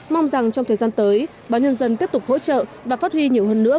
mong rằng trong thời gian tới báo nhân dân tiếp tục hỗ trợ và phát huy nhiều hơn nữa